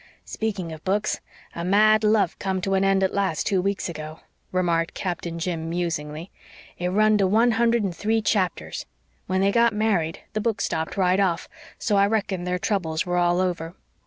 "Speaking of books, A Mad Love come to an end at last two weeks ago," remarked Captain Jim musingly. "It run to one hundred and three chapters. When they got married the book stopped right off, so I reckon their troubles were all over.